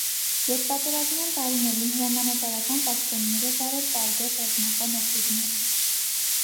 Ետպատերազմյան տարիներին հրամանատարական պաշտոններ է վարել տարբեր ռազմական օկրուգներում։